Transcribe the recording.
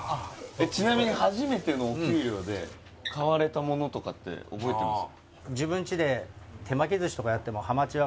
ちなみに初めてのお給料で買われたものとかって覚えてます？